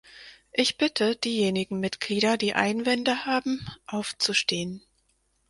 Ich bitte diejenigen Mitglieder, die Einwände haben, aufzustehen.